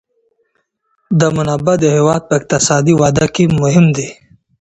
دا منابع د هېواد په اقتصادي وده کي مهم دي.